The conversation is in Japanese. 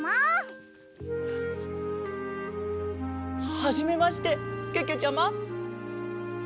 はじめましてけけちゃま。